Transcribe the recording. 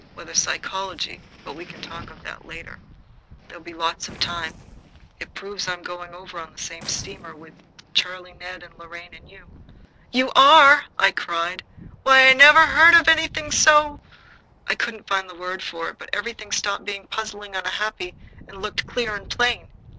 Whether psychology but we can talk of that later. There'll be lots of time. It proves I am going over on the same steamer with Charlie Ned and Lorraine and you." "You are!" I cried. "Why, I never heard of anything so " I couldn't find the word for it, but everything stopped being puzzling and unhappy and looked clear and plain.